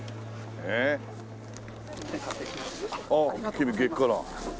君激辛。